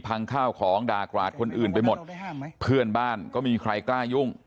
ข้าวของด่ากราดคนอื่นไปหมดเพื่อนบ้านก็ไม่มีใครกล้ายุ่ง